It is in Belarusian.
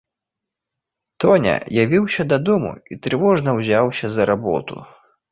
Тоня явіўся дадому і трывожна ўзяўся за работу.